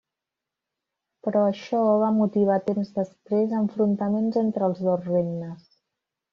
Però això va motivar temps després enfrontaments entre els dos regnes.